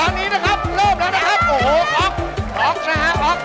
มีข้างตอนไปอีก